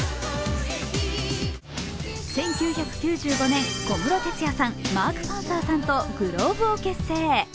１９９５年、小室哲哉さん、マーク・パンサーさんとｇｌｏｂｅを結成。